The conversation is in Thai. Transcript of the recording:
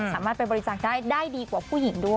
สามารถไปบริจาคได้ได้ดีกว่าผู้หญิงด้วย